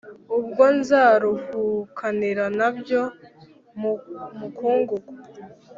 ubwo nzaruhukanira na byo mu mukungugu